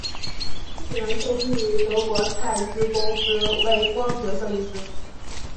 次年受聘于德国蔡司公司为光学设计师。